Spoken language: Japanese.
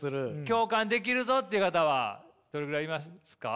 共感できるぞっていう方はどれぐらいいますか？